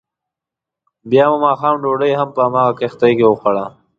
بیا مو دماښام ډوډۍ هم په همغه کښتۍ کې وخوړه.